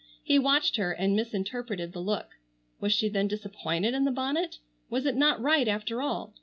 He watched her and misinterpreted the look. Was she then disappointed in the bonnet? Was it not right after all?